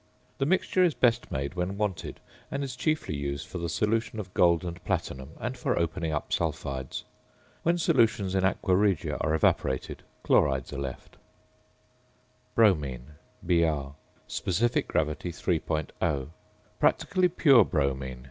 The mixture is best made when wanted, and is chiefly used for the solution of gold and platinum and for "opening up" sulphides. When solutions in aqua regia are evaporated, chlorides are left. ~Bromine~, Br. (sp. gr. 3.0). Practically pure bromine.